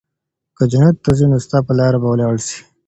که جنت ته ځي نو ستا په لار به ولاړ سي